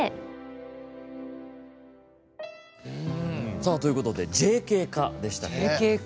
さあ、ということでＪＫ課でした。